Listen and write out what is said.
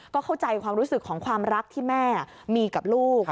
ก็เข้าใจความรู้สึกของความรักที่แม่มีกับลูก